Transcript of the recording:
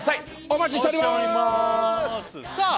お待ちしておりますさあ